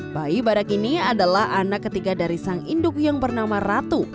bayi badak ini adalah anak ketiga dari sang induk yang bernama ratu